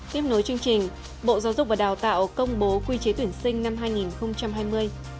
tiếp nối chương trình bộ giáo dục và đào tạo công bố quy chế tuyển sinh năm hai nghìn hai mươi